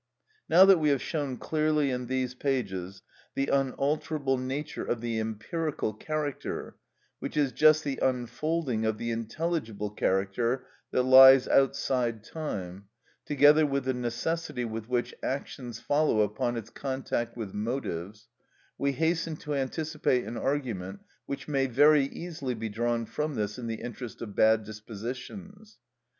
Now that we have shown clearly in these pages the unalterable nature of the empirical character, which is just the unfolding of the intelligible character that lies outside time, together with the necessity with which actions follow upon its contact with motives, we hasten to anticipate an argument which may very easily be drawn from this in the interest of bad dispositions.